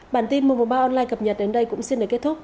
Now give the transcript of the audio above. bản tin mùa mùa ba online cập nhật đến đây cũng xin để kết thúc